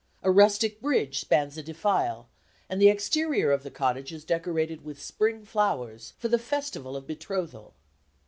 A rustic bridge spans a defile, and the exterior of the cottage is decorated with spring flowers for the festival of betrothal.